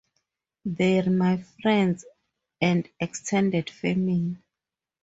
They're my friends and extended family.